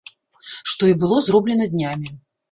Што і было зроблена днямі.